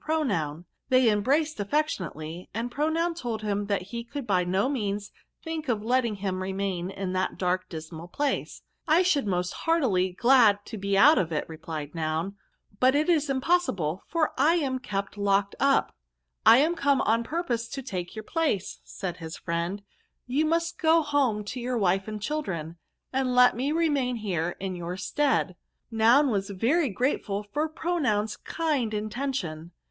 Pronoun. They embraced affection ately, and Pronoun told him that he could by no means think of letting him remain in that d^rk, dismal place. ' I should be most S74 VERBS. heartily glad to be out of it,' replied Noun ;* but it is impossible, for I am kept locked up.* * I am come on purpose to take your place,* said his fiieud ;^ you must go home to your wife and children, and let me remain here in your stead.' Noun was very grateful for Pronoun's kind intention.